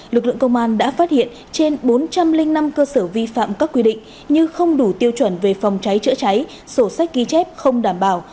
lực lượng công an đã phát hiện trên bốn trăm linh năm cơ sở vi phạm các quy định như không đủ tiêu chuẩn về phòng cháy chữa cháy sổ sách ghi chép không đảm bảo